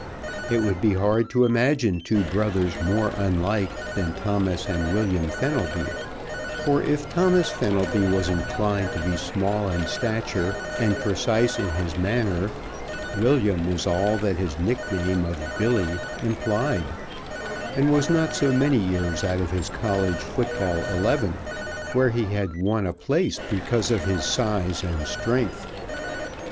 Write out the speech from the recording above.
It would be hard to imagine two brothers more unlike than Thomas and William Fenelby, for if Thomas Fenelby was inclined to be small in stature and precise in his manner, William was all that his nickname of Billy implied, and was not so many years out of his college foot ball eleven, where he had won a place because of his size and strength.